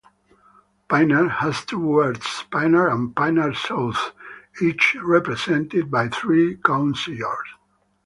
Pinner has two wards, Pinner and Pinner South, each represented by three councillors.